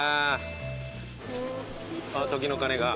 あっ時の鐘が。